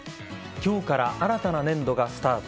今日から新たな年度がスタート。